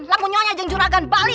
lampu nyonya jeng juragan bali